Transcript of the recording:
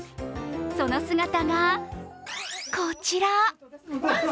その姿がこちら。